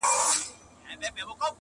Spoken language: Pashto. • چي ترانې مي ورته ویلې -